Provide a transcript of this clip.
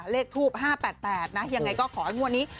เลขทูป๕๘๘นะยังไงก็ขอให้งวดนี้